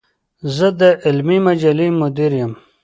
زۀ د علمي مجلې مدير يم.